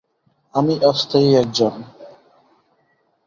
আমি অস্থায়ী একজন!